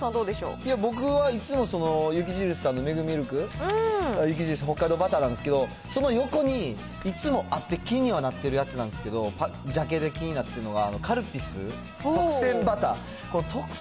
僕は、いつも雪印さんのメグミルク、雪印北海道バターなんですけど、その横にいつもあって、気にはなってるやつなんですけど、ジャケで気になってるのが、カルピス特撰バター。